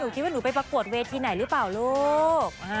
คิดว่าหนูไปประกวดเวทีไหนหรือเปล่าลูก